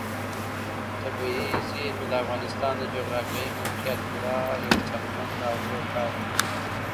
طبیعي زیرمې د افغانستان د جغرافیایي موقیعت پوره یوه څرګنده او لویه پایله ده.